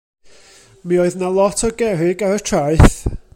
Mi oedd 'na lot o gerrig ar y traeth.